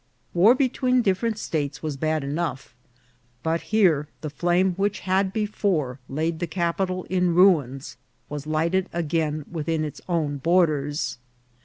War between different states was bad enough, but here the flame which had before laid the capital in ruins was lighted again within its own borders.